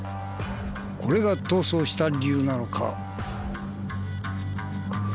これが逃走した理由なのか？